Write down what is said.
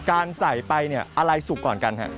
การใส่ไปอะไรสุกก่อนกันค่ะ